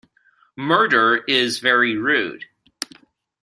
Murder is very rude.